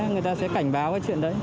người ta sẽ cảnh báo cái chuyện đấy